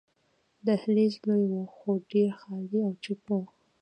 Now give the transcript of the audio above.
دهلېز لوی وو، خو ډېر خالي او چوپ وو.